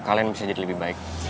kalian bisa jadi lebih baik